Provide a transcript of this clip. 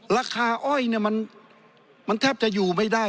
ราคาอ้อยมันแทบจะอยู่ไม่ได้